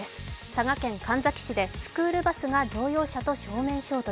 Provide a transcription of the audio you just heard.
佐賀県神埼市でスクールバスが乗用車と正面衝突。